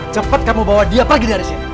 cepat kamu bawa dia pergi dari sini